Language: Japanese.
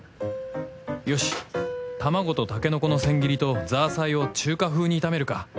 よし卵とタケノコの千切りとザーサイを中華風に炒めるか。